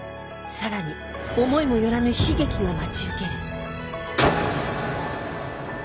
さらに思いも寄らぬ悲劇が待ち受ける